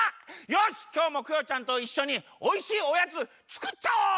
よしきょうもクヨちゃんといっしょにおいしいおやつつくっちゃおう！